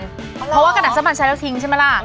เพราะว่ากระดะมันใช้แล้วทิ้งใช่ไหมล่ะ